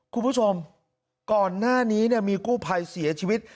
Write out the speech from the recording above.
คุณผู้ชมก่อนหน้านี้มีกู้ภัยเสียชีวิต